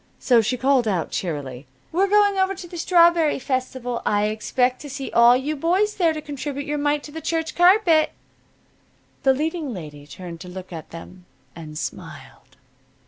So she called out, cheerily: "We're going over to the strawberry festival. I expect to see all you boys there to contribute your mite to the church carpet." The leading lady turned to look at them, and smiled.